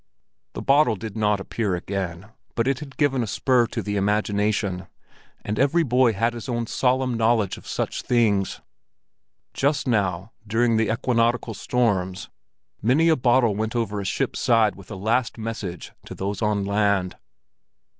The bottle did not appear again, but it had given a spur to the imagination, and every boy had his own solemn knowledge of such things. Just now, during the equinoctial storms, many a bottle went over a ship's side with a last message to those on land.